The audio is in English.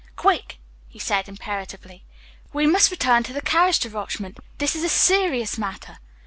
"Quick!" he said, imperatively; "we must return to the carriage, De Rochemont. This is a serious matter."